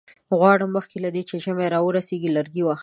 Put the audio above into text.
غواړم مخکې له دې چې ژمی را ورسیږي لرګي واخلم.